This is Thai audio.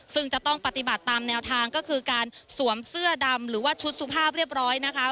ซึ่งจะต้องปฏิบัติตามแนวทางก็คือการสวมเสื้อดำหรือว่าชุดสุภาพเรียบร้อยนะคะ